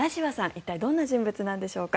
一体どんな人物なんでしょうか。